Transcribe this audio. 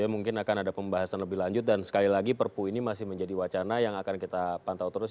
mungkin akan ada pembahasan lebih lanjut dan sekali lagi perpu ini masih menjadi wacana yang akan kita pantau terus